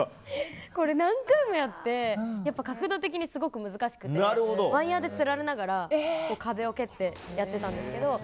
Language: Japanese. これ、何回もやって角度的にすごく難しくてワイヤでつられながら壁を蹴ってやってたんですけど。